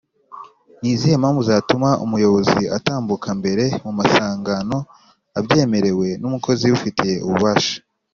Nizihe mpamvu zatuma umuyobozi atambuka mbere mumasangano ? abyemerewe n’umukozi ubifitiye ububasha